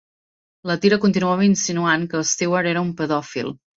La tira continuava insinuant que l'Stewart era un pedòfil.